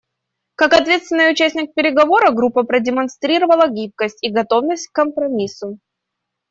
Как ответственный участник переговоров группа продемонстрировала гибкость и готовность к компромиссу.